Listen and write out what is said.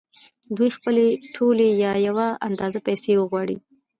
دوی خپلې ټولې یا یوه اندازه پیسې وغواړي